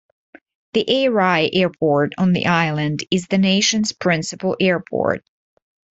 The Airai Airport on the island is the nation's principal airport.